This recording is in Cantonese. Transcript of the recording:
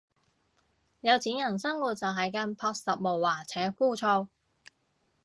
有錢人生活就係咁樸實無華且枯燥